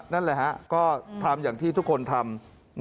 นั่นแหละฮะก็ทำอย่างที่ทุกคนทำ